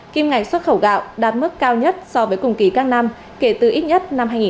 kim ngạch xuất khẩu gạo đạt mức cao nhất so với cùng kỳ các năm kể từ ít nhất năm hai nghìn chín